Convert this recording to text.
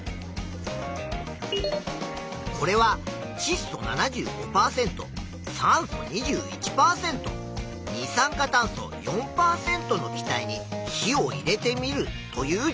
これはちっ素７５％酸素２１％二酸化炭素４％の気体に火を入れてみるという実験。